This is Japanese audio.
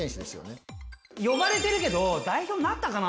呼ばれてるけど代表になったかな？